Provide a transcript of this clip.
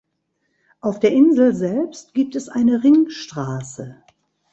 Auf der Insel selbst gibt es eine Ringstraße.